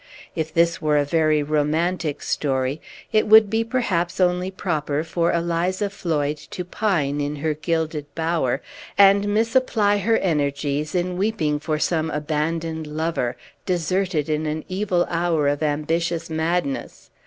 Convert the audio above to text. If this were a very romantic story, it would be perhaps only proper for Eliza Floyd to pine in her gilded bower, and misapply her energies in weeping for some abandoned lover, deserted in an evil hour of ambitious madness.